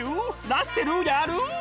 ラッセルやる！